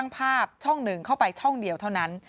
ภาพช่องหนึ่งเข้าไปช่องเดียวเท่านั้น